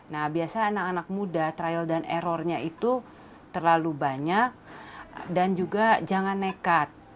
nah biasa anak anak muda trial dan errornya itu terlalu banyak dan juga jangan nekat